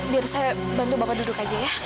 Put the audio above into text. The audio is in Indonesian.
biar saya bantu bapak duduk aja ya